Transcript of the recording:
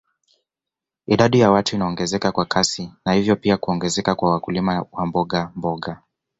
Idadi ya watu inaongezeka kwa kasi na hivyo pia kuongezeka kwa wakulima wa mbogamboga